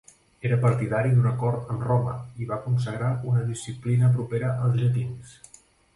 Era partidari d'un acord amb Roma i va consagrar una disciplina propera als llatins.